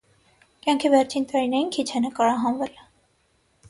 Կյանքի վերջին տարիներին քիչ է նկարահանվել։